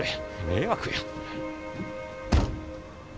迷惑や。